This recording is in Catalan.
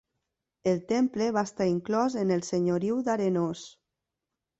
El temple va estar inclòs en el Senyoriu d'Arenós.